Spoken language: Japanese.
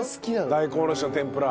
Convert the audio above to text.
大根おろしの天ぷら。